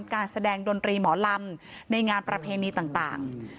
การแสดงดนตรีหมอลำในงานประเพณีต่าง